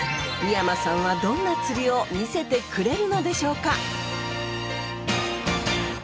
三山さんはどんな釣りを見せてくれるのでしょうか！